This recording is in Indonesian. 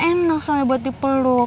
enak soalnya buat dipeluk